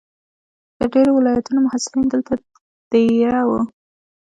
د ډېرو ولایتونو محصلین دلته دېره وو.